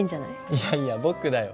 いやいや僕だよ。